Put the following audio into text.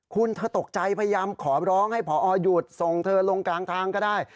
คุณเธอตกใจพยายามขอร้องให้พอหยุดส่งเธอลงกลางทางก็ได้